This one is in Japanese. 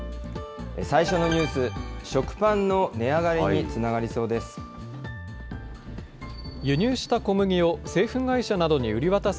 最初のニュース、食パンの値上がりにつながりそうです。